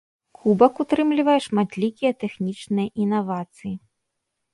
Кубак утрымлівае шматлікія тэхнічныя інавацыі.